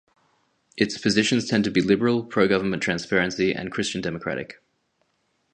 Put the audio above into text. Its positions tend to be liberal, pro-government transparency, and Christian democratic.